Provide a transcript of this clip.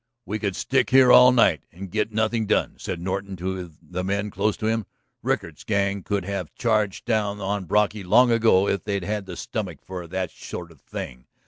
"We could stick here all night and get nothing done," said Norton to the men close to him. "Rickard's gang could have charged down on Brocky long ago if they'd had the stomach for that sort of thing.